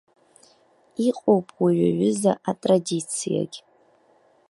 Иҟоуп уи аҩыза атрадициагь.